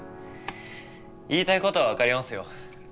言いたいことは分かりますよ。